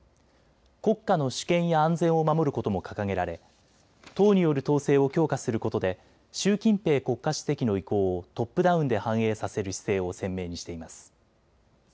国家の主権や安全を守ることも掲げられ党による統制を強化することで習近平国家主席の意向をトップダウンで反映させる姿勢を鮮明にしています。